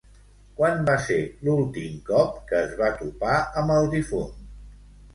Quan va ser l'últim cop que es va topar amb el difunt?